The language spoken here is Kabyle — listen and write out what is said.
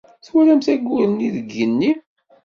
Twalam-t wayyur-nni deg yigenni?